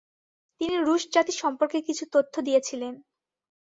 তিনি রুশ জাতি সম্পর্কে কিছু তথ্য দিয়েছিলেন।